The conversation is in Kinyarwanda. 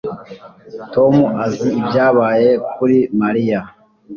Tom azi ibyabaye kuri Mariya